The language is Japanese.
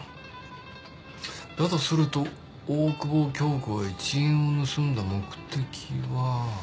だとすると大久保杏子が１円を盗んだ目的は。